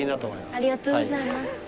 ありがとうございます。